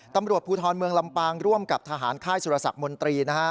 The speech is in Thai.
ตำรวจภูทรเมืองลำปางร่วมกับทหารค่ายสุรสักมนตรีนะฮะ